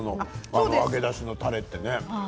揚げ出しのたれってね。